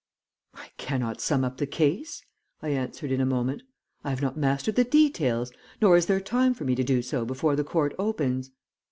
"'I cannot sum up the case,' I answered in a moment. 'I have not mastered the details, nor is there time for me to do so before the court opens.'